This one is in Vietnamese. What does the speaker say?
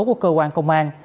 của cơ quan công an